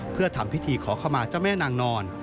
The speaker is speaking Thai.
เพื่อทำพิธีขอขมาเจ้าแม่นางนอน